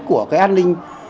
của cái an ninh